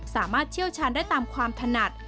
สามารถเชี่ยวชาญได้ตามความถนัด